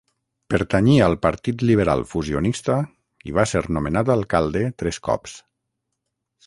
Pertanyia al Partit Liberal Fusionista i va ser nomenat alcalde tres cops.